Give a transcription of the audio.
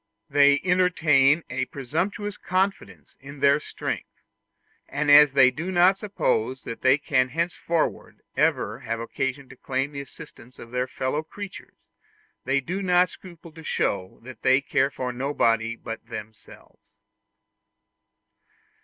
They entertain a presumptuous confidence in their strength, and as they do not suppose that they can henceforward ever have occasion to claim the assistance of their fellow creatures, they do not scruple to show that they care for nobody but themselves.